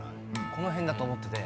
この辺だと思ってて。